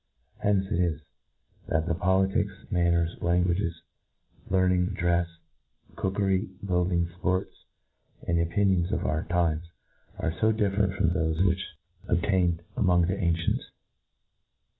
Hence it is, that the politics, manners, languages, learning, drefs, cookery, buildings, fports, and opinions of our times, are fo different, from thofe which obtained , among the ancients.